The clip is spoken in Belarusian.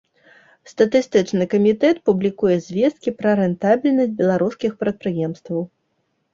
Статыстычны камітэт публікуе звесткі пра рэнтабельнасць беларускіх прадпрыемстваў.